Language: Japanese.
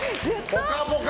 「ぽかぽか」